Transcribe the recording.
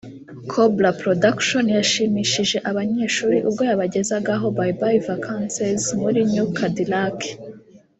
Cobra Production yashimishije abanyeshuli ubwo yabagezagaho Bye Bye Vacances muri New Cadillac